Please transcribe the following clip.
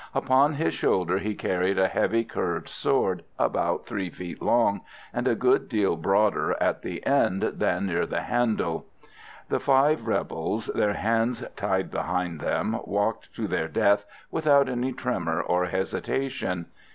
Upon his shoulder he carried a heavy curved sword, about 3 feet long, and a good deal broader at the end than near the handle. The five rebels, their hands tied behind them, walked to their death without any tremor or hesitation.